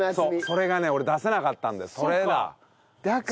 それがね俺出せなかったんでそれだ！だから。